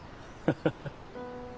ハハハ。